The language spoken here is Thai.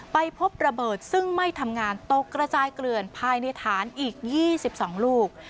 ไปพบระเบิดซึ่งไม่ทำงานตกกระจายเกลื่อนภายในฐานอีก๒๒ลูก